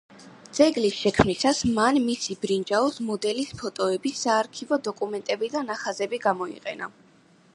ძეგლის შექმნისას მან მისი ბრინჯაოს მოდელის ფოტოები, საარქივო დოკუმენტები და ნახაზები გამოიყენა.